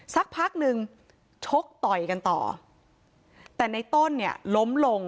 สักพักหนึ่งชกต่อยกันต่อแต่ในต้นเนี่ยล้มลง